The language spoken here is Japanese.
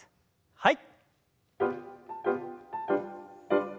はい。